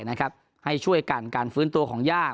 นะครับให้ช่วยกันการฟื้นตัวของญาติ